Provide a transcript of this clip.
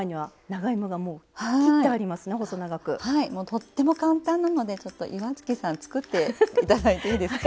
とっても簡単なのでちょっと岩槻さんつくっていただいていいですか？